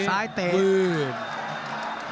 ซ้ายเตะ